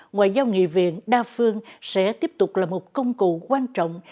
ngoại giao nghị viện đa phương sẽ tiếp tục là một công cụ quan trọng